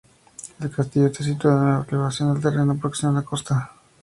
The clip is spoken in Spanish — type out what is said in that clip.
El Castillo está situado en una elevación del terreno de próxima a la costa.